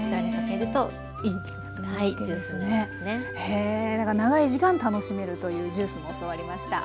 へ長い時間楽しめるというジュースも教わりました。